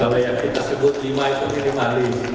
kalau yang kita sebut lima itu dirimali